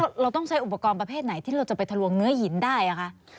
เราต้องใช้อุปกรณ์ประเภทไหนที่เราจะไปทะลวงเนื้อหินได้คะ